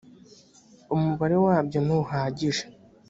umubare wabyo ntuhagije.